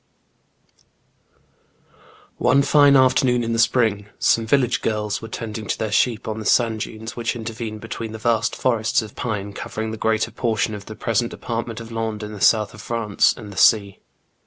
One fine afternoon in the spring, some village girls were tending their sheep on the sand dunes which intervene between the vast forests of pine covering the greater portion of the present department of Landes in the south of France, and the sea.